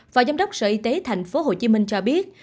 và giám đốc sở y tế thành phố hồ chí minh cho biết